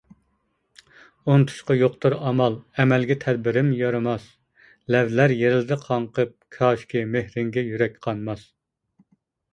ئۇنتۇشقا يوقتۇر ئامال، ئەمەلگە تەدبىرىم يارىماس، لەۋلەر يېرىلدى قاڭقىپ، كاشكى مېھرىڭگە يۈرەك قانماس!